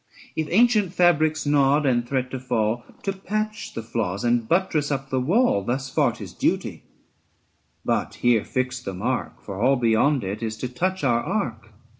800 If ancient fabrics nod and threat to fall, To patch the flaws and buttress up the wall, Thus far 'tis duty : but here fix the mark ; For all beyond it is to touch our ark.